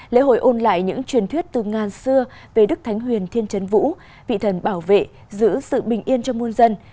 lễ hội ôn lại những truyền thuyết từ ngàn xưa về đức thánh huyền thiên trấn vũ vị thần bảo vệ giữ sự bình yên cho môn dân